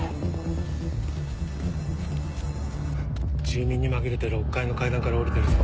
住民に紛れて６階の階段から降りてるぞ